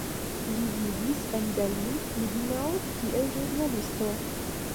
Li vivis en Berlin-Friedenau kiel ĵurnalisto.